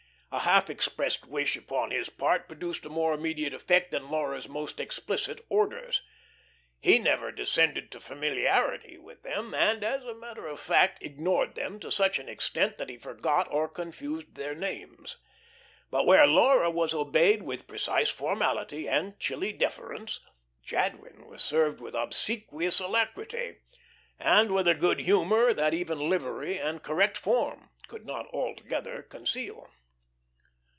A half expressed wish upon his part produced a more immediate effect than Laura's most explicit orders. He never descended to familiarity with them, and, as a matter of fact, ignored them to such an extent that he forgot or confused their names. But where Laura was obeyed with precise formality and chilly deference, Jadwin was served with obsequious alacrity, and with a good humour that even livery and "correct form" could not altogether conceal.